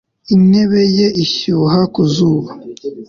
Intebe ye ishyuha ku zuba